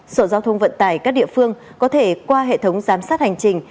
sở giao thông vận tải các địa phương có thể qua hệ thống giám sát hành trình